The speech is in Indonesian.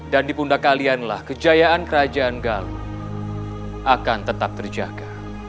dan di pundak kalianlah kejayaan kerajaan galuh akan tetap terjaga